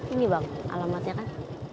ini bang alamatnya kan